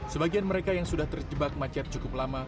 sebagian mereka yang sudah terjebak macet cukup lama